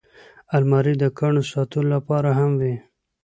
الماري د ګاڼو ساتلو لپاره هم وي